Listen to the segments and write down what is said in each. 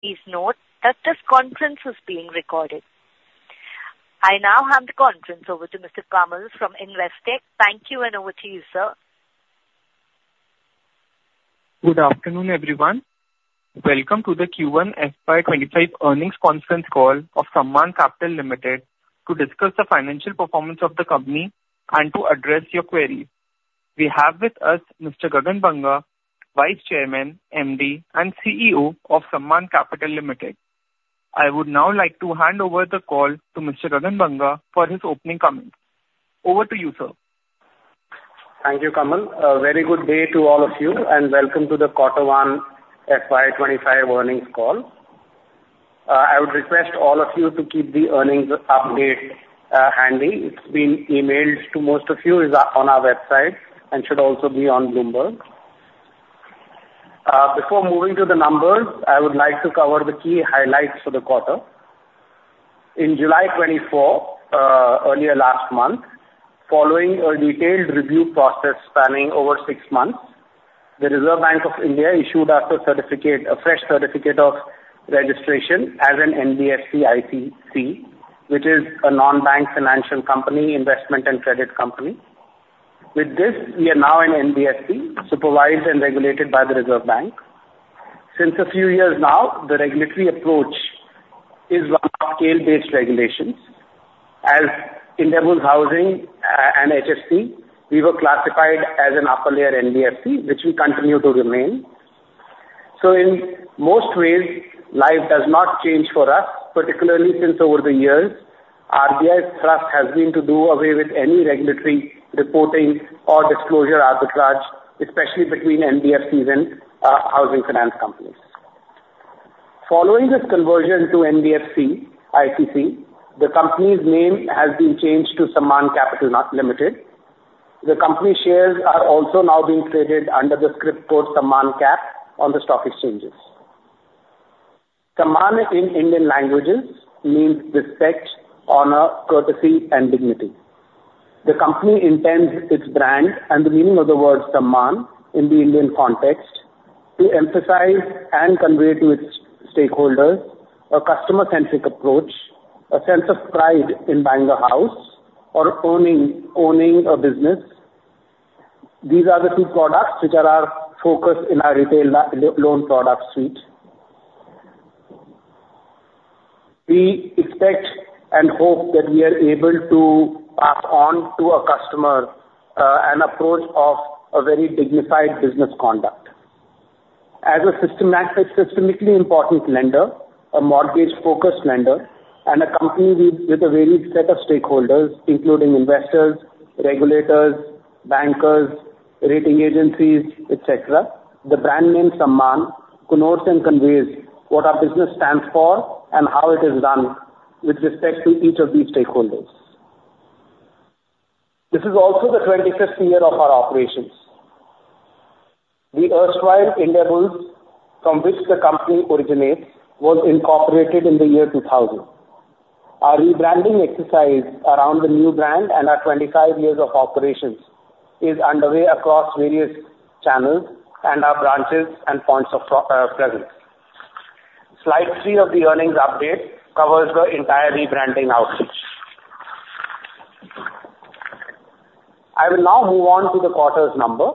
Please note that this conference is being recorded. I now hand the conference over to Mr. Kamal from Investec. Thank you, and over to you, sir. Good afternoon, everyone. Welcome to the Q1 FY25 earnings conference call of Sammaan Capital Limited to discuss the financial performance of the company and to address your query. We have with us Mr. Gagan Banga, Vice Chairman, MD, and CEO of Sammaan Capital Limited. I would now like to hand over the call to Mr. Gagan Banga for his opening comments. Over to you, sir. Thank you, Kamal. A very good day to all of you, and welcome to the Quarter 1 FY 25 earnings call. I would request all of you to keep the earnings update, handy. It's been emailed to most of you, it's on our website and should also be on Bloomberg. Before moving to the numbers, I would like to cover the key highlights for the quarter. In July 2024, earlier last month, following a detailed review process spanning over 6 months, the Reserve Bank of India issued us a certificate, a fresh Certificate of Registration as an NBFC-ICC, which is a non-bank financial company, investment and credit company. With this, we are now an NBFC, supervised and regulated by the Reserve Bank. Since a few years now, the regulatory approach is one of scale-based regulations. As Indiabulls Housing and HFC, we were classified as an Upper Layer NBFC, which we continue to remain. So in most ways, life does not change for us, particularly since over the years, RBI's thrust has been to do away with any regulatory reporting or disclosure arbitrage, especially between NBFCs and housing finance companies. Following this conversion to NBFC-ICC, the company's name has been changed to Sammaan Capital Limited. The company shares are also now being traded under the scrip code, Sammaan Cap, on the stock exchanges. Sammaan in Indian languages means respect, honor, courtesy, and dignity. The company intends its brand and the meaning of the word Sammaan in the Indian context to emphasize and convey to its stakeholders a customer-centric approach, a sense of pride in buying a house or owning, owning a business. These are the two products which are our focus in our retail loan product suite. We expect and hope that we are able to pass on to our customer an approach of a very dignified business conduct. As a systematic, systemically important lender, a mortgage-focused lender, and a company with a varied set of stakeholders, including investors, regulators, bankers, rating agencies, et cetera. The brand name Sammaan connotes and conveys what our business stands for and how it is done with respect to each of these stakeholders. This is also the 25th year of our operations. The erstwhile Indiabulls, from which the company originates, was incorporated in the year 2000. Our rebranding exercise around the new brand and our 25 years of operations is underway across various channels and our branches and points of presence. Slide three of the earnings update covers the entire rebranding outreach. I will now move on to the quarter's number.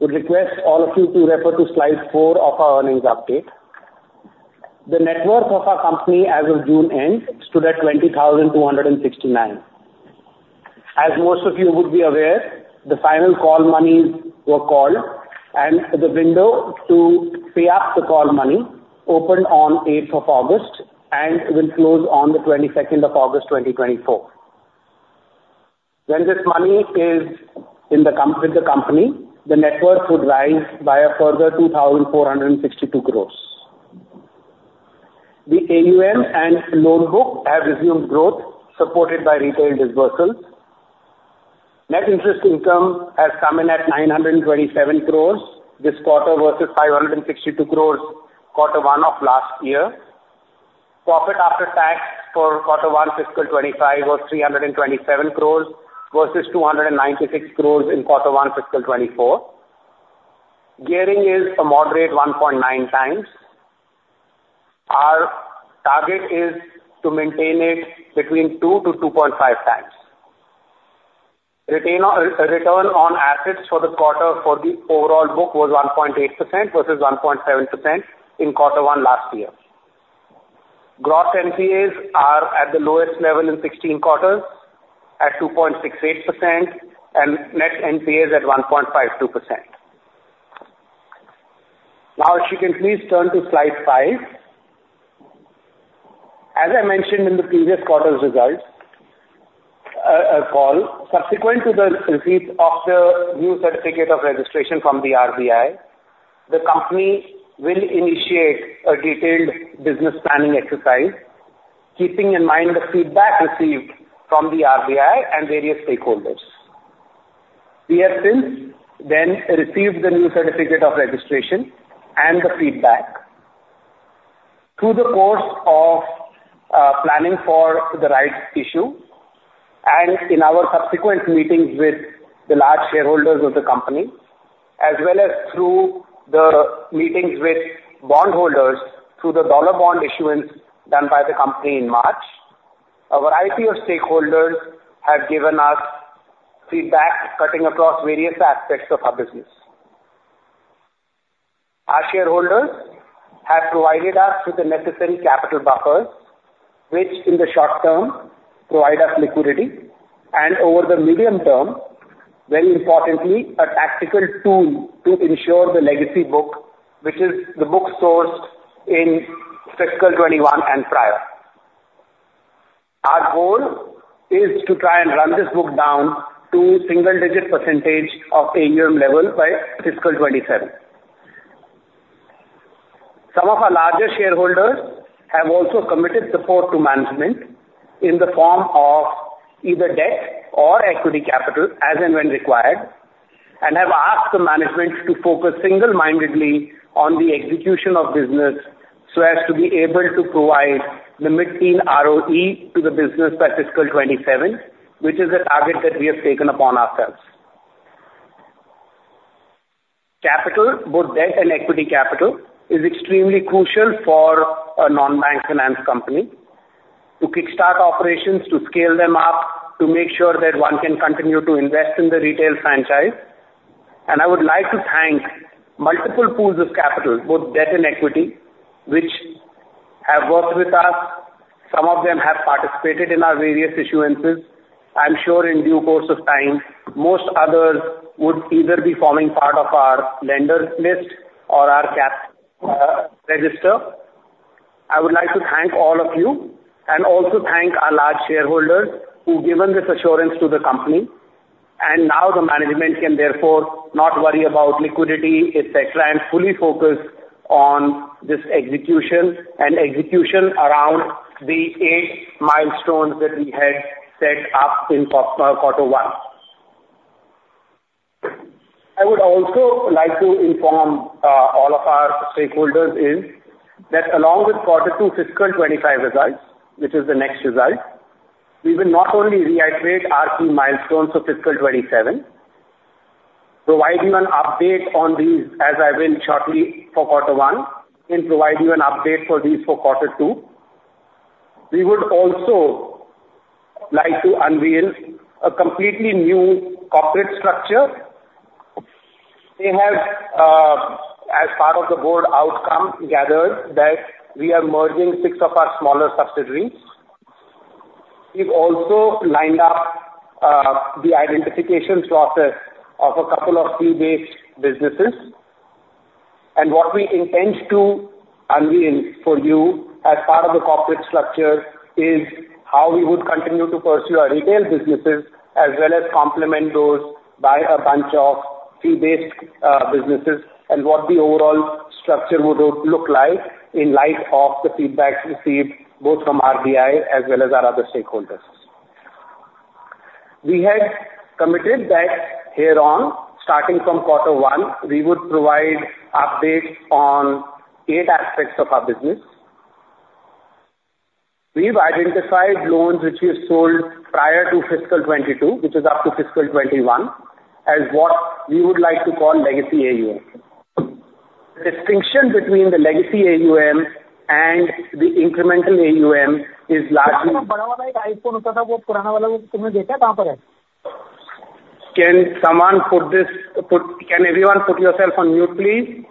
We request all of you to refer to slide four of our earnings update. The net worth of our company as of June end stood at 20,269 crore. As most of you would be aware, the final call monies were called, and the window to pay up the call money opened on eighth of August and will close on the twenty-second of August, 2024. When this money is in the company, the net worth would rise by a further 2,462 crore. The AUM and loan book have resumed growth, supported by retail disbursements. Net interest income has come in at 927 crore this quarter, versus 562 crore quarter one of last year. Profit after tax for quarter one, fiscal 2025, was 327 crore versus 296 crore in quarter one, fiscal 2024. Gearing is a moderate 1.9x. Our target is to maintain it between 2-2.5x. Return on assets for the quarter for the overall book was 1.8% versus 1.7% in quarter one last year. Gross NPAs are at the lowest level in 16 quarters, at 2.68% and net NPAs at 1.52%. Now, if you can please turn to slide five. As I mentioned in the previous quarter's results call, subsequent to the receipt of the new Certificate of Registration from the RBI, the company will initiate a detailed business planning exercise, keeping in mind the feedback received from the RBI and various stakeholders. We have since then received the new Certificate of Registration and the feedback. Through the course of planning for the rights issue and in our subsequent meetings with the large shareholders of the company, as well as through the meetings with bondholders through the dollar bond issuance done by the company in March, our IPO stakeholders have given us feedback cutting across various aspects of our business. Our shareholders have provided us with the necessary capital buffers, which in the short term, provide us liquidity, and over the medium term, very importantly, a tactical tool to ensure the legacy book, which is the book sourced in fiscal 2021 and prior. Our goal is to try and run this book down to single-digit % of AUM level by fiscal 2027. Some of our larger shareholders have also committed support to management in the form of either debt or equity capital, as and when required, and have asked the management to focus single-mindedly on the execution of business, so as to be able to provide the mid-teen ROE to the business by fiscal 2027, which is a target that we have taken upon ourselves. Capital, both debt and equity capital, is extremely crucial for a non-bank finance company to kickstart operations, to scale them up, to make sure that one can continue to invest in the retail franchise. I would like to thank multiple pools of capital, both debt and equity, which have worked with us. Some of them have participated in our various issuances. I'm sure in due course of time, most others would either be forming part of our lenders list or our cap register. I would like to thank all of you and also thank our large shareholders who've given this assurance to the company. Now the management can therefore not worry about liquidity, et cetera, and fully focus on this execution and execution around the eight milestones that we had set up in quarter one. I would also like to inform all of our stakeholders that along with Quarter 2 Fiscal 2025 results, which is the next result, we will not only reiterate our key milestones for fiscal 2027, provide you an update on these as I will shortly for Quarter 1, and provide you an update for these for Quarter 2. We would also like to unveil a completely new corporate structure. We have, as part of the board outcome, gathered that we are merging 6 of our smaller subsidiaries. We've also lined up the identification process of a couple of fee-based businesses. What we intend to unveil for you as part of the corporate structure is how we would continue to pursue our retail businesses, as well as complement those by a bunch of fee-based businesses, and what the overall structure would look like in light of the feedback received both from RBI as well as our other stakeholders. We had committed that hereon, starting from Quarter One, we would provide updates on eight aspects of our business. We've identified loans which we've sold prior to fiscal 2022, which is up to fiscal 2021, as what we would like to call legacy AUM. The distinction between the legacy AUM and the incremental AUM is largely. Can everyone put yourself on mute, please?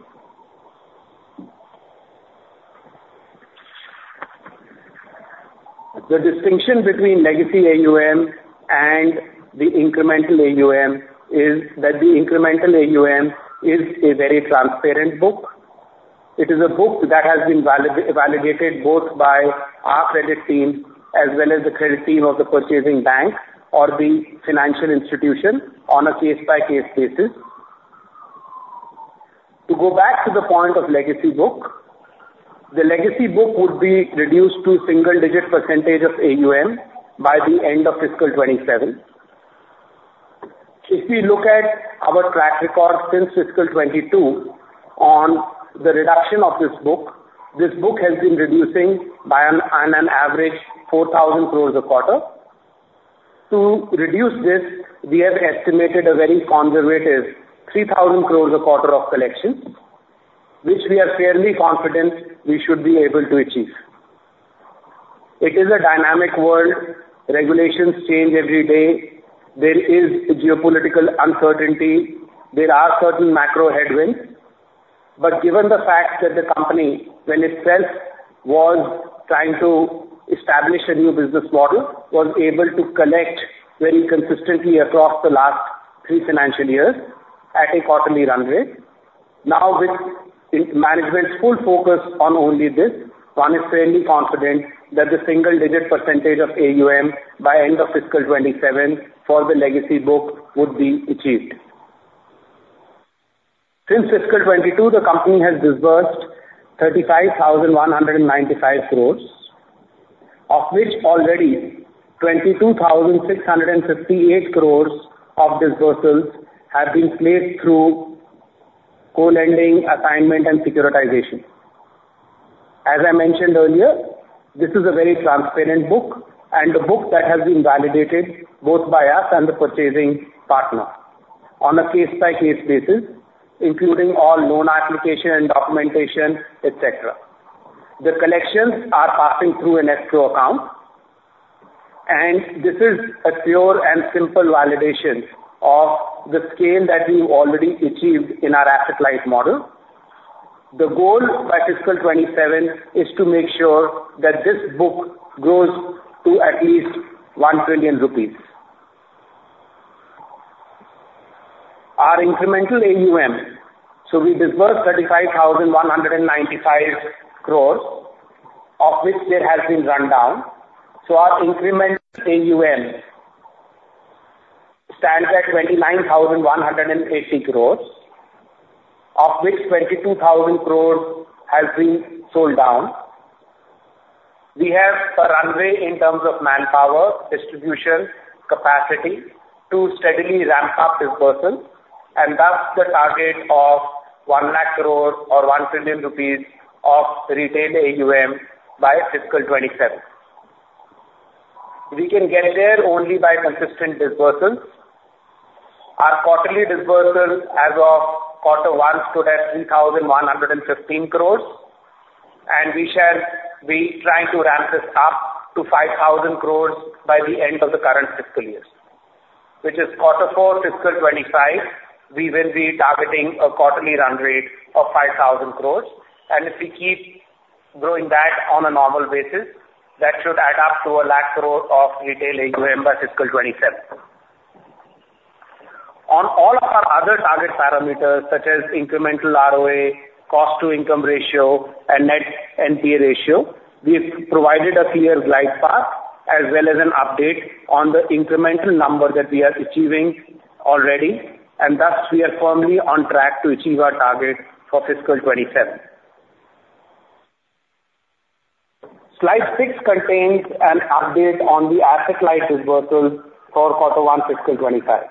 The distinction between legacy AUM and the incremental AUM is that the incremental AUM is a very transparent book. It is a book that has been validated both by our credit team as well as the credit team of the purchasing bank or the financial institution on a case-by-case basis. To go back to the point of legacy book, the legacy book would be reduced to single-digit % of AUM by the end of fiscal 2027. If we look at our track record since fiscal 2022 on the reduction of this book, this book has been reducing by, on an average, 4,000 crore a quarter. To reduce this, we have estimated a very conservative 3,000 crore a quarter of collection, which we are fairly confident we should be able to achieve. It is a dynamic world. Regulations change every day. There is a geopolitical uncertainty. There are certain macro headwinds. But given the fact that the company, when itself was trying to establish a new business model, was able to collect very consistently across the last three financial years at a quarterly run rate. Now, with the management's full focus on only this, one is fairly confident that the single-digit % of AUM by end of fiscal 2027 for the legacy book would be achieved. Since fiscal 2022, the company has disbursed 35,195 crore, of which already 22,658 crore of disbursements have been placed through co-lending, assignment, and securitization. As I mentioned earlier, this is a very transparent book and a book that has been validated both by us and the purchasing partner on a case-by-case basis, including all loan application and documentation, et cetera. The collections are passing through an escrow account, and this is a pure and simple validation of the scale that we've already achieved in our asset-light model. The goal by fiscal 2027 is to make sure that this book grows to at least 1 trillion rupees. Our incremental AUM. So we disbursed 35,195 crore, of which there has been rundown. So our incremental AUM stands at 29,180 crore, of which 22,000 crore has been sold down. We have a runway in terms of manpower, distribution, capacity to steadily ramp up disbursal, and that's the target of 100,000 crore or 1 trillion rupees of retail AUM by fiscal 2027. We can get there only by consistent disbursements. Our quarterly disbursements as of quarter 1 stood at 3,115 crore, and we shall be trying to ramp this up to 5,000 crore by the end of the current fiscal year, which is quarter 4, fiscal 2025. We will be targeting a quarterly run rate of 5,000 crore. If we keep growing that on a normal basis, that should add up to 100,000 crore of retail AUM by fiscal 2027. On all of our other target parameters, such as incremental ROA, cost-to-income ratio and net NPA ratio, we've provided a clear glide path, as well as an update on the incremental number that we are achieving already, and thus we are firmly on track to achieve our target for fiscal 2027. Slide 6 contains an update on the asset-light disbursements for quarter 1, fiscal 2025.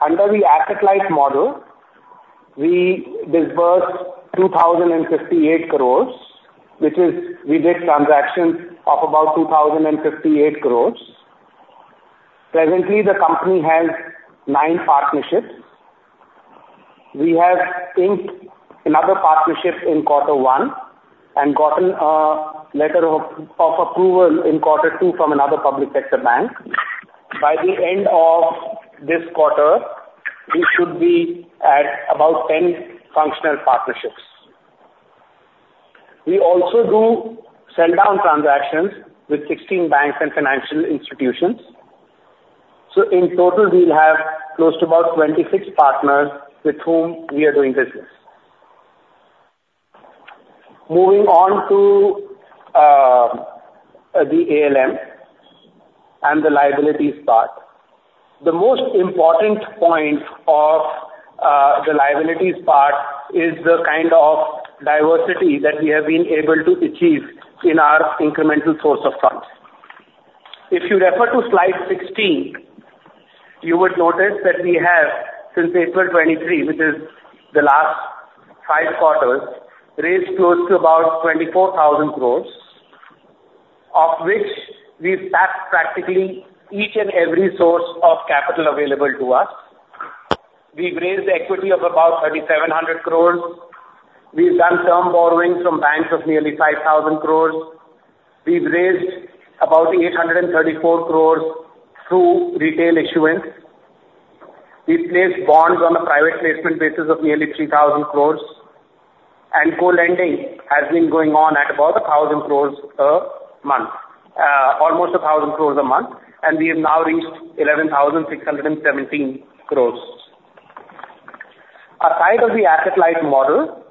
Under the asset-light model, we disbursed 2,058 crore, which is, we did transactions of about 2,058 crore. Presently, the company has nine partnerships. We have inked another partnership in quarter one and gotten a letter of approval in quarter two from another public sector bank. By the end of this quarter, we should be at about 10 functional partnerships. We also do sell-down transactions with 16 banks and financial institutions. So in total, we'll have close to about 26 partners with whom we are doing business. Moving on to the ALM and the liabilities part. The most important point of the liabilities part is the kind of diversity that we have been able to achieve in our incremental source of funds. If you refer to slide 16, you would notice that we have, since April 2023, which is the last 5 quarters, raised close to about 24,000 crore, of which we've tapped practically each and every source of capital available to us. We've raised equity of about 3,700 crore. We've done term borrowings from banks of nearly 5,000 crore. We've raised about 834 crore through retail issuance. We've placed bonds on a private placement basis of nearly 3,000 crore, and co-lending has been going on at about 1,000 crore a month, almost 1,000 crore a month, and we have now reached 11,617 crore. Aside from the asset-light model,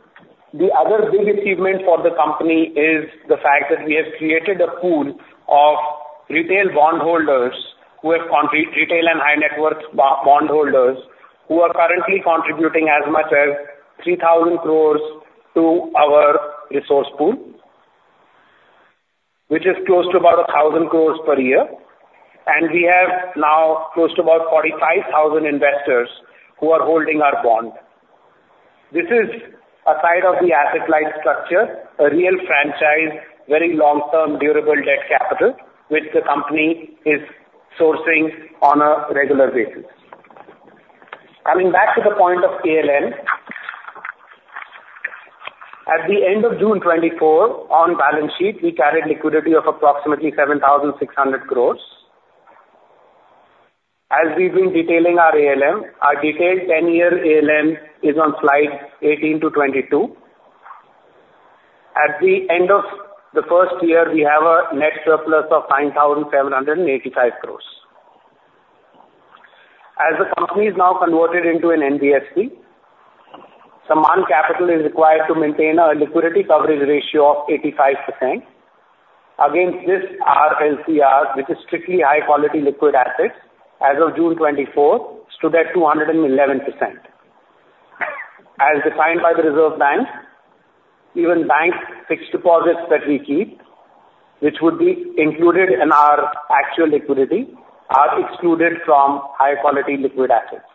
the other big achievement for the company is the fact that we have created a pool of retail and high-net-worth bondholders, who are currently contributing as much as 3,000 crore to our resource pool, which is close to about 1,000 crore per year, and we have now close to about 45,000 investors who are holding our bond. This is aside from the asset-light structure, a real franchise, very long-term, durable debt capital, which the company is sourcing on a regular basis. Coming back to the point of ALM, at the end of June 2024, on balance sheet, we carried liquidity of approximately 7,600 crore. As we've been detailing our ALM, our detailed 10-year ALM is on slide 18 to 22. At the end of the first year, we have a net surplus of 9,785 crore. As the company is now converted into an NBFC, some capital is required to maintain a liquidity coverage ratio of 85%. Against this, our LCR, which is strictly high-quality liquid assets, as of June 2024, stood at 211%. As defined by the Reserve Bank of India—even bank fixed deposits that we keep, which would be included in our actual liquidity, are excluded from high-quality liquid assets.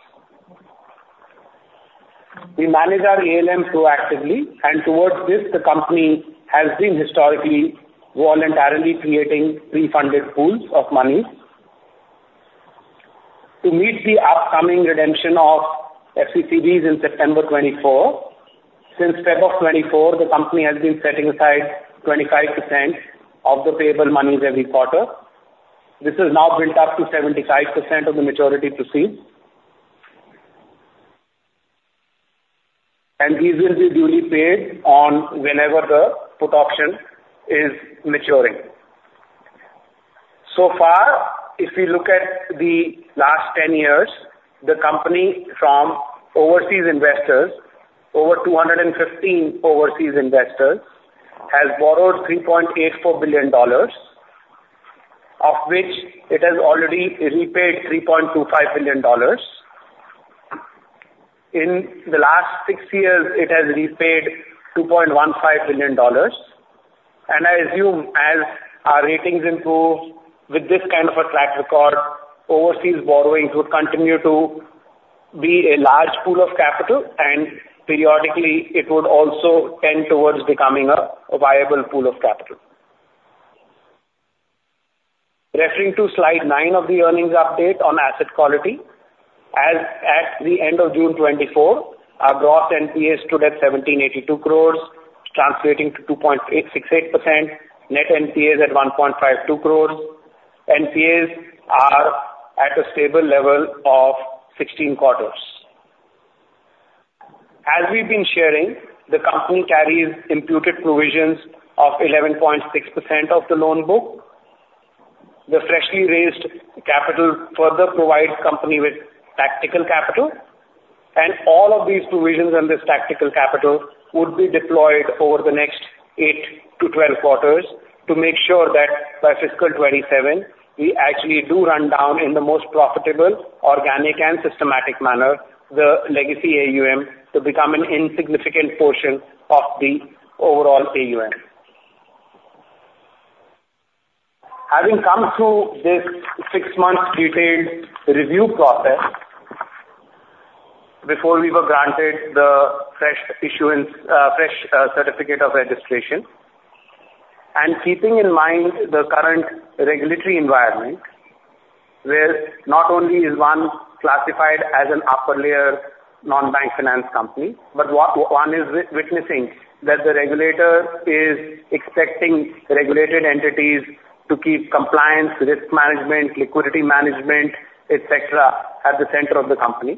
We manage our ALM proactively, and towards this, the company has been historically, voluntarily creating pre-funded pools of money. To meet the upcoming redemption of FCCBs in September 2024, since February 2024, the company has been setting aside 25% of the payable monies every quarter. This is now built up to 75% of the maturity proceeds. These will be duly paid on whenever the put option is maturing. So far, if we look at the last 10 years, the company from overseas investors, over 215 overseas investors, has borrowed $3.84 billion, of which it has already repaid $3.25 billion. In the last 6 years, it has repaid $2.15 billion. And I assume as our ratings improve with this kind of a track record, overseas borrowings would continue to be a large pool of capital, and periodically it would also tend towards becoming a, a viable pool of capital. Referring to slide 9 of the earnings update on asset quality, as at the end of June 2024, our gross NPAs stood at 2,502 crore, translating to 2.868%. Net NPAs at 1.52 crore. NPAs are at a stable level of 16 quarters. As we've been sharing, the company carries imputed provisions of 11.6% of the loan book. The freshly raised capital further provides the company with tactical capital, and all of these provisions on this tactical capital would be deployed over the next 8-12 quarters to make sure that by fiscal 2027, we actually do run down in the most profitable, organic, and systematic manner, the legacy AUM to become an insignificant portion of the overall AUM. Having come through this six-month detailed review process, before we were granted the fresh issuance, fresh certificate of registration, and keeping in mind the current regulatory environment, where not only is one classified as an upper-layer non-bank finance company, but one is witnessing that the regulator is expecting regulated entities to keep compliance, risk management, liquidity management, et cetera, at the center of the company.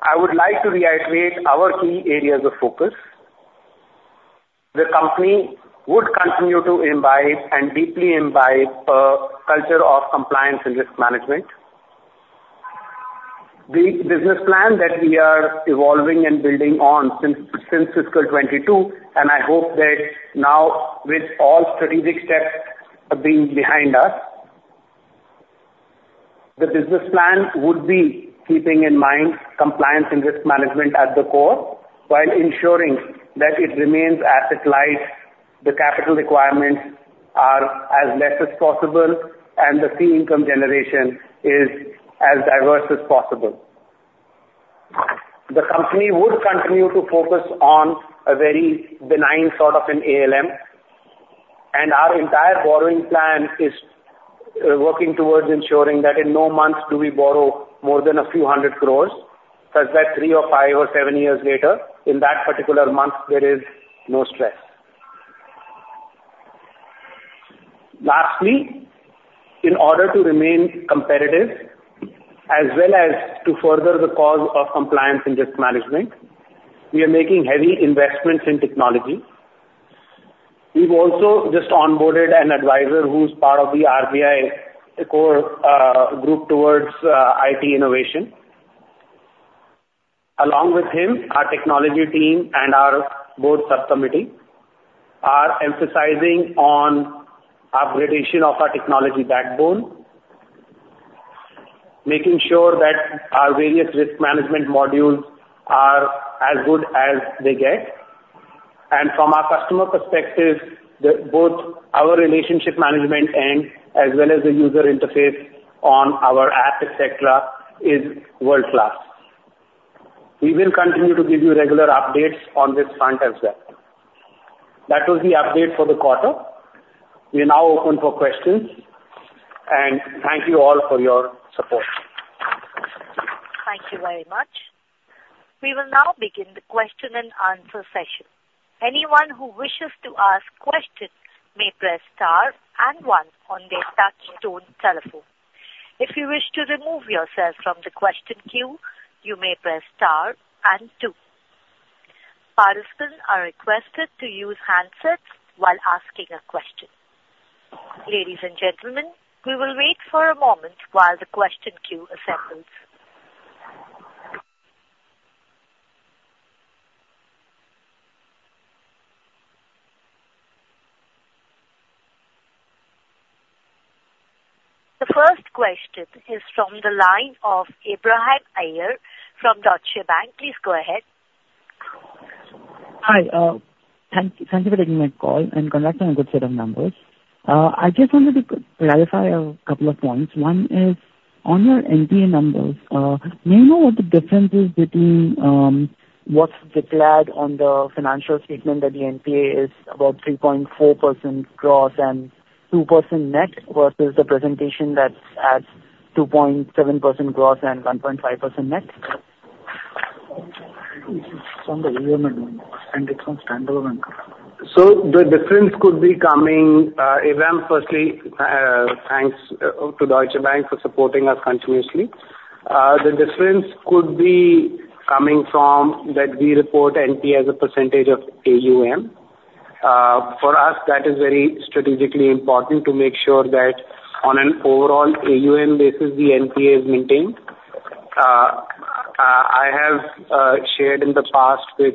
I would like to reiterate our key areas of focus. The company would continue to imbibe and deeply imbibe a culture of compliance and risk management. The business plan that we are evolving and building on since fiscal 2022, and I hope that now with all strategic steps being behind us, the business plan would be keeping in mind compliance and risk management at the core, while ensuring that it remains asset light, the capital requirements are as less as possible, and the fee income generation is as diverse as possible. The company would continue to focus on a very benign sort of an ALM, and our entire borrowing plan is working towards ensuring that in no months do we borrow more than a few hundred crore, such that three or five or seven years later, in that particular month, there is no stress. Lastly, in order to remain competitive, as well as to further the cause of compliance and risk management, we are making heavy investments in technology. We've also just onboarded an advisor who's part of the RBI core group towards IT innovation. Along with him, our technology team and our board subcommittee are emphasizing on upgradation of our technology backbone, making sure that our various risk management modules are as good as they get. From our customer perspective, both our relationship management and as well as the user interface on our app, et cetera, is world-class. We will continue to give you regular updates on this front as well. That was the update for the quarter. We are now open for questions, and thank you all for your support. Thank you very much. We will now begin the question-and-answer session. Anyone who wishes to ask questions may press star and one on their touchtone telephone. If you wish to remove yourself from the question queue, you may press star and two. Participants are requested to use handsets while asking a question. Ladies and gentlemen, we will wait for a moment while the question queue assembles....The first question is from the line of Abhiram Iyer from Deutsche Bank. Please go ahead. Hi, thank you for taking my call, and congrats on a good set of numbers. I just wanted to clarify a couple of points. One is, on your NPA numbers, do you know what the difference is between, what's declared on the financial statement that the NPA is about 3.4% gross and 2% net, versus the presentation that's at 2.7% gross and 1.5% net? From the AUM and it's from standalone. So the difference could be coming, Abiram, firstly, thanks to Deutsche Bank for supporting us continuously. The difference could be coming from that we report NPA as a percentage of AUM. For us, that is very strategically important to make sure that on an overall AUM basis, the NPA is maintained. I have shared in the past with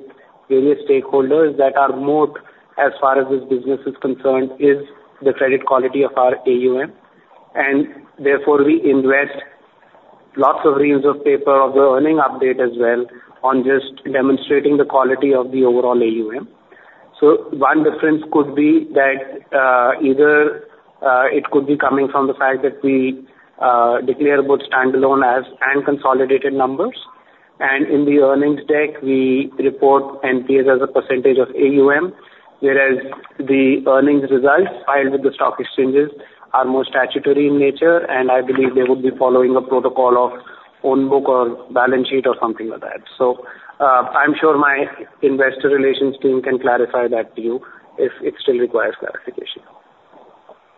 various stakeholders that our moat, as far as this business is concerned, is the credit quality of our AUM, and therefore, we invest lots of reams of paper of the earnings update as well on just demonstrating the quality of the overall AUM. So one difference could be that, either, it could be coming from the fact that we declare both standalone and consolidated numbers. In the earnings deck, we report NPAs as a percentage of AUM, whereas the earnings results filed with the stock exchanges are more statutory in nature, and I believe they would be following a protocol of own book or balance sheet or something like that. So, I'm sure my investor relations team can clarify that to you if it still requires clarification.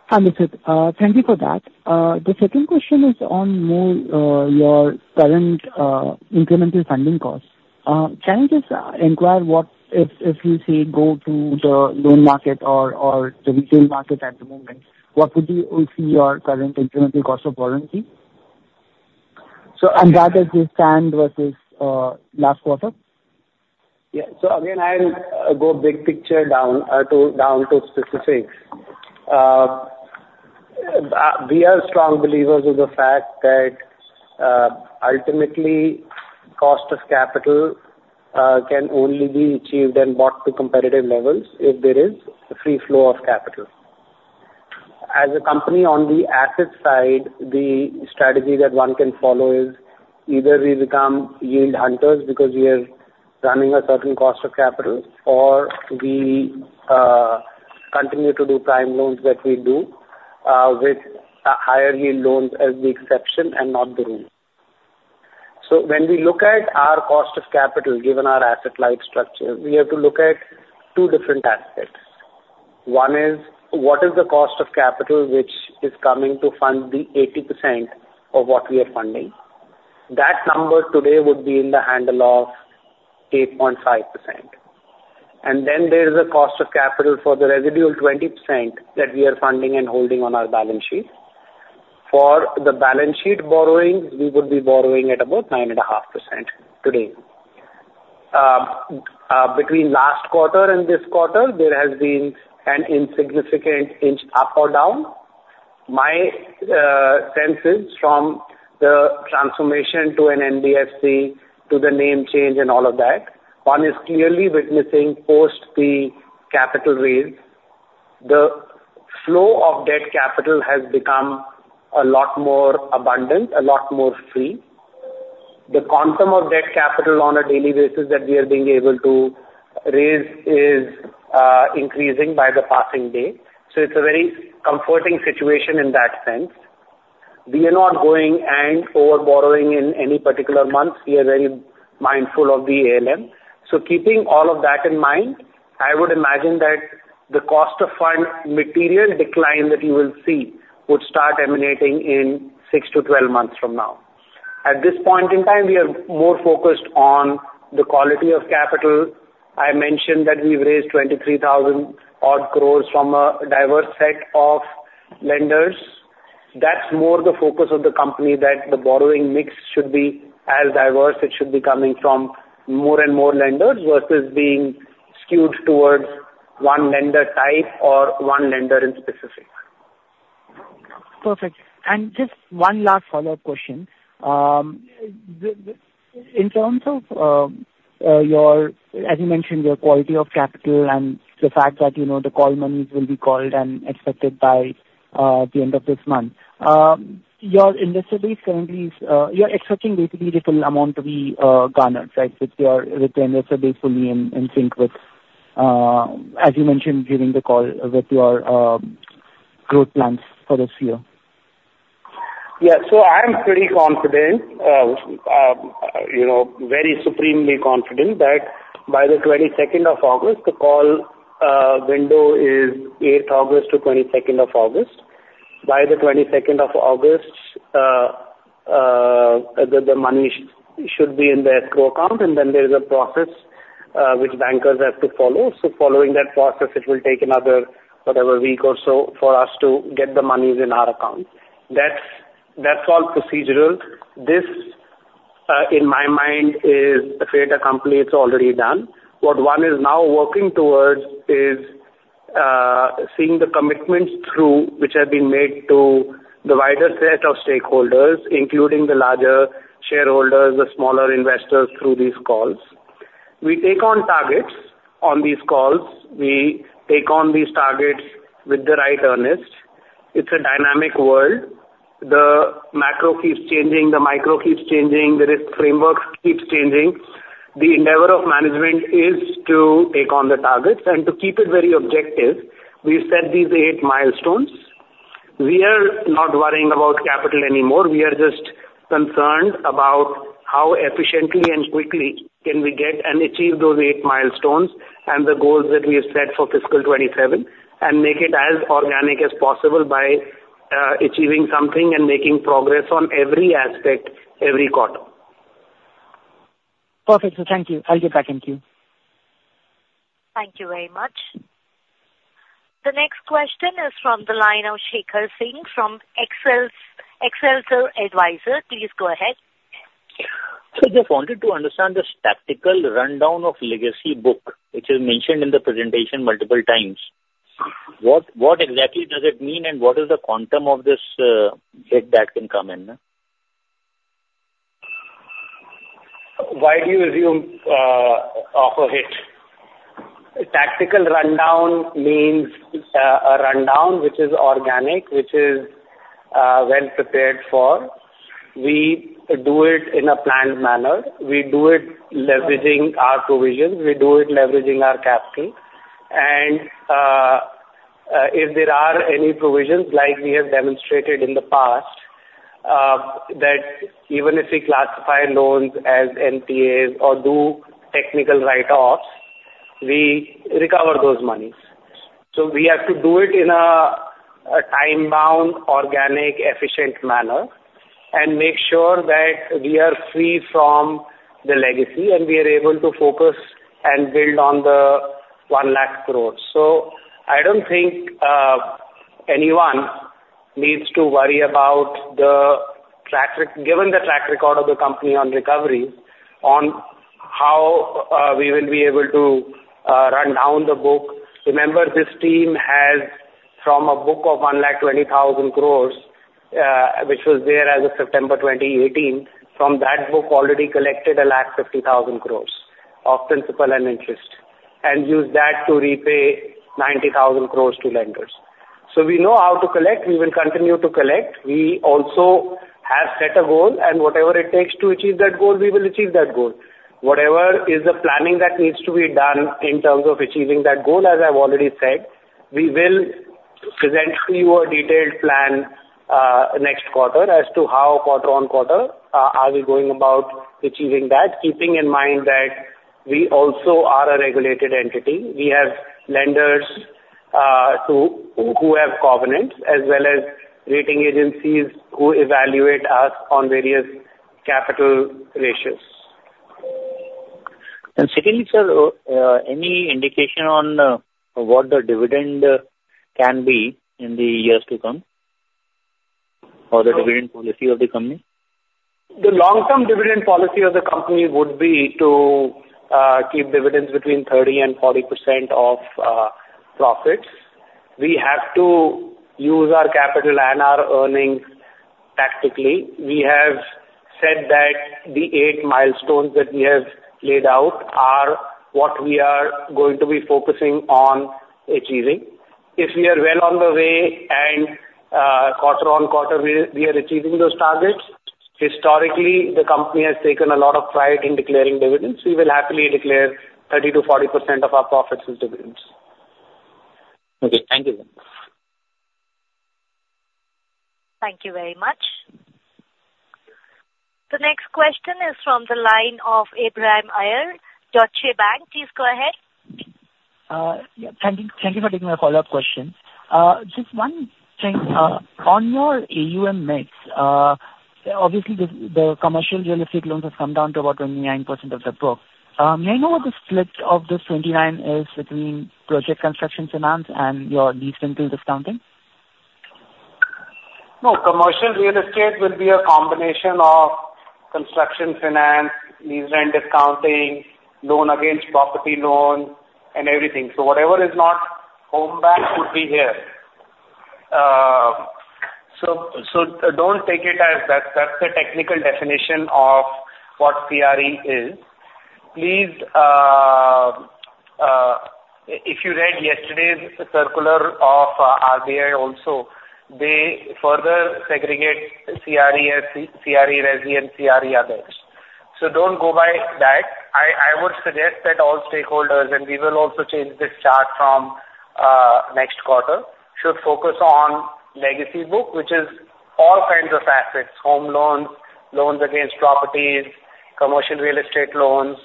Hi, Nishit. Thank you for that. The second question is on more your current incremental funding costs. Can you just inquire what if, if you say go to the loan market or or the retail market at the moment, what would be we see your current incremental cost of borrowing? So and that is this stand versus last quarter. Yeah. So again, I'll go big picture down to specifics. We are strong believers of the fact that ultimately, cost of capital can only be achieved and brought to competitive levels if there is a free flow of capital. As a company on the asset side, the strategy that one can follow is either we become yield hunters because we are running a certain cost of capital, or we continue to do prime loans that we do with higher-yield loans as the exception and not the rule. So when we look at our cost of capital, given our asset-light structure, we have to look at two different aspects. One is, what is the cost of capital, which is coming to fund the 80% of what we are funding? That number today would be in the handle of 8.5%. And then there is a cost of capital for the residual 20% that we are funding and holding on our balance sheet. For the balance sheet borrowing, we would be borrowing at about 9.5% today. Between last quarter and this quarter, there has been an insignificant inch up or down. My sense is from the transformation to an NBFC, to the name change and all of that, one is clearly witnessing post the capital raise. The flow of debt capital has become a lot more abundant, a lot more free. The quantum of debt capital on a daily basis that we are being able to raise is increasing by the passing day, so it's a very comforting situation in that sense. We are not going and overborrowing in any particular month. We are very mindful of the ALM. So keeping all of that in mind, I would imagine that the cost of fund material decline that you will see would start emanating in 6-12 months from now. At this point in time, we are more focused on the quality of capital. I mentioned that we've raised 23,000-odd crore from a diverse set of lenders. That's more the focus of the company, that the borrowing mix should be as diverse. It should be coming from more and more lenders, versus being skewed towards one lender type or one lender in specific. Perfect. Just one last follow-up question. In terms of your, as you mentioned, your quality of capital and the fact that, you know, the call monies will be called and expected by the end of this month. Your investor base currently is, you're expecting basically the full amount to be garnered, right? With your return, that's a base fully in sync with, as you mentioned during the call, with your growth plans for this year. Yeah. So I am pretty confident, you know, very supremely confident that by the 22nd of August, the call window is 8th August to 22nd of August. By the 22nd of August, the money should be in the escrow account, and then there is a process which bankers have to follow. So following that process, it will take another, whatever, week or so for us to get the monies in our account. That's all procedural. This in my mind is a greater company, it's already done. What one is now working towards is seeing the commitments through, which have been made to the wider set of stakeholders, including the larger shareholders, the smaller investors through these calls. We take on targets on these calls. We take on these targets with the right earnest. It's a dynamic world. The macro keeps changing, the micro keeps changing, the risk framework keeps changing. The endeavor of management is to take on the targets and to keep it very objective, we've set these eight milestones. We are not worrying about capital anymore. We are just concerned about how efficiently and quickly can we get and achieve those eight milestones and the goals that we have set for fiscal 2027, and make it as organic as possible by achieving something and making progress on every aspect, every quarter. Perfect, sir. Thank you. I'll get back in queue. Thank you very much. The next question is from the line of Shekhar Singh from Excelsior Capital. Please go ahead. Just wanted to understand this tactical rundown of legacy book, which is mentioned in the presentation multiple times. What, what exactly does it mean and what is the quantum of this hit that can come in? Why do you assume of a hit? Tactical rundown means a rundown which is organic, which is well prepared for. We do it in a planned manner. We do it leveraging our provisions. We do it leveraging our capital. And if there are any provisions, like we have demonstrated in the past, that even if we classify loans as NPAs or do technical write-offs, we recover those monies. So we have to do it in a time-bound, organic, efficient manner and make sure that we are free from the legacy and we are able to focus and build on the 100,000 crore. So I don't think anyone needs to worry about given the track record of the company on recovery, on how we will be able to run down the book. Remember, this team has, from a book of 120,000 crore, which was there as of September 2018, from that book, already collected 150,000 crore of principal and interest, and used that to repay 90,000 crore to lenders. So we know how to collect, we will continue to collect. We also have set a goal, and whatever it takes to achieve that goal, we will achieve that goal. Whatever is the planning that needs to be done in terms of achieving that goal, as I've already said, we will present to you a detailed plan, next quarter as to how quarter on quarter, are we going about achieving that, keeping in mind that we also are a regulated entity. We have lenders, to, who, who have covenants, as well as rating agencies who evaluate us on various capital ratios. Secondly, sir, any indication on what the dividend can be in the years to come, or the dividend policy of the company? The long-term dividend policy of the company would be to keep dividends between 30% and 40% of profits. We have to use our capital and our earnings tactically. We have said that the 8 milestones that we have laid out are what we are going to be focusing on achieving. If we are well on the way and quarter-on-quarter, we are achieving those targets, historically, the company has taken a lot of pride in declaring dividends. We will happily declare 30%-40% of our profits as dividends. Okay, thank you. Thank you very much. The next question is from the line of Abhiram Iyer, Deutsche Bank. Please go ahead. Yeah, thank you. Thank you for taking my follow-up questions. Just one thing, on your AUM mix, obviously, the commercial real estate loans have come down to about 29% of the book. May I know what the split of this 29 is between project construction finance and your lease rental discounting? No, commercial real estate will be a combination of construction finance, lease rental discounting, loan against property loan, and everything. So whatever is not home loan would be here. So don't take it as that, that's the technical definition of what CRE is. Please, if you read yesterday's circular of RBI also, they further segregate CRE as CRE resi and CRE others. So don't go by that. I would suggest that all stakeholders, and we will also change this chart from next quarter, should focus on legacy book, which is all kinds of assets, home loans, loans against properties, commercial real estate loans,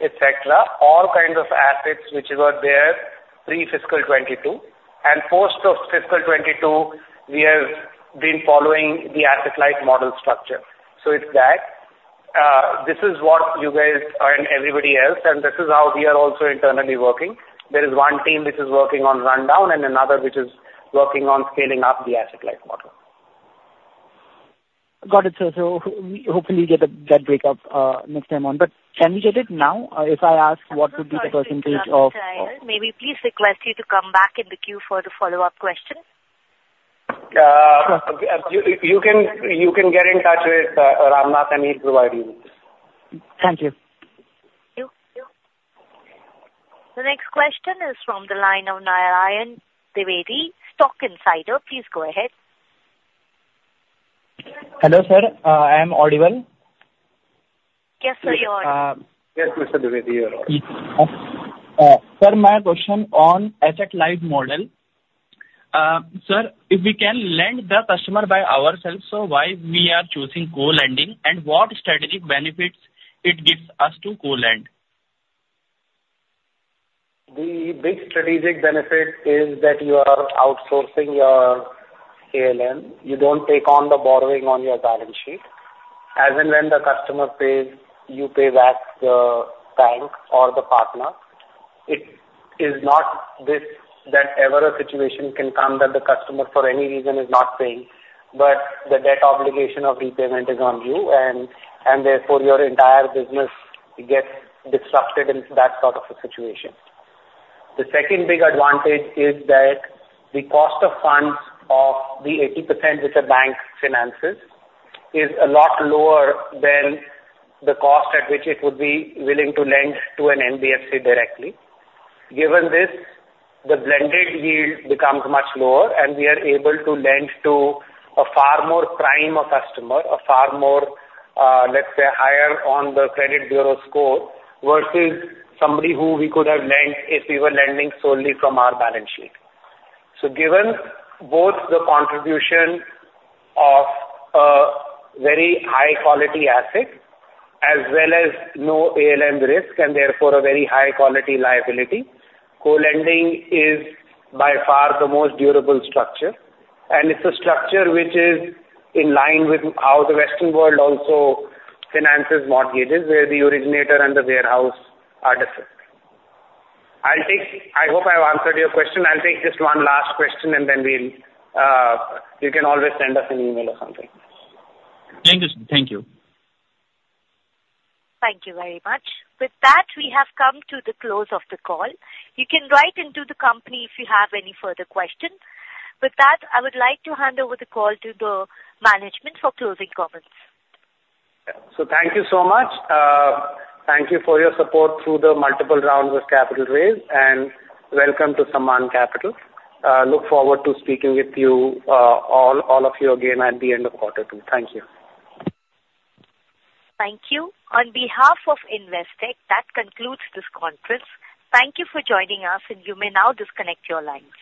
et cetera. All kinds of assets which were there pre-Fiscal 2022, and post Fiscal 2022, we have been following the asset-light model structure. So it's that. This is what you guys and everybody else, and this is how we are also internally working. There is one team which is working on rundown and another which is working on scaling up the asset-light model.... Got it, sir. So hopefully get that, that breakup, next time on. But can we get it now? If I ask what would be the percentage of- May we please request you to come back in the queue for the follow-up question? You can, you can get in touch with Ramnath, and he'll provide you with this. Thank you. Thank you. The next question is from the line of Narayan Dwivedi, Stock Insider. Please go ahead. Hello, sir. I am audible? Yes, sir, you are. Yes, Mr. Dwivedi, you're on. Sir, my question on asset-light model. Sir, if we can lend the customer by ourselves, so why we are choosing co-lending? And what strategic benefits it gives us to co-lend? The big strategic benefit is that you are outsourcing your ALM. You don't take on the borrowing on your balance sheet. As and when the customer pays, you pay back the bank or the partner. It is not this that ever a situation can come that the customer, for any reason, is not paying, but the debt obligation of repayment is on you, and, and therefore your entire business gets disrupted in that sort of a situation. The second big advantage is that the cost of funds of the 80% which a bank finances is a lot lower than the cost at which it would be willing to lend to an NBFC directly. Given this, the blended yield becomes much lower, and we are able to lend to a far more prime customer, a far more, let's say, higher on the credit bureau score, versus somebody who we could have lent if we were lending solely from our balance sheet. So given both the contribution of a very high quality asset as well as no ALM risk, and therefore a very high quality liability, co-lending is by far the most durable structure. And it's a structure which is in line with how the Western world also finances mortgages, where the originator and the warehouse are different. I'll take... I hope I've answered your question. I'll take just one last question, and then we'll, you can always send us an email or something. Thank you, sir. Thank you. Thank you very much. With that, we have come to the close of the call. You can write into the company if you have any further questions. With that, I would like to hand over the call to the management for closing comments. So thank you so much. Thank you for your support through the multiple rounds of capital raise, and welcome to Sammaan Capital. Look forward to speaking with you, all, all of you again at the end of quarter two. Thank you. Thank you. On behalf of Investec, that concludes this conference. Thank you for joining us, and you may now disconnect your lines.